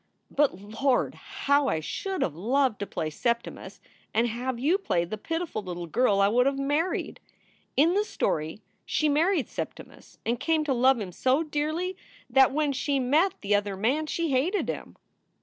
But, Lord ! how I should have loved to play Septimus and have you play the pitiful little girl I would have married. In the story she married Septimus and came to love him so dearly that when she met the other man she hated him."